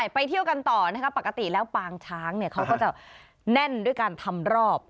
ไปเที่ยวกันต่อนะคะปกติแล้วปางช้างเขาก็จะแน่นด้วยการทำรอบ